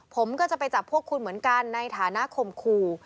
ผมก็จะไปจับพวกคุณเหมือนกันในฐานะข่มขู่